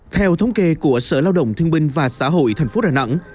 theo thống kê của sở lao động thương binh và xã hội tp đà nẵng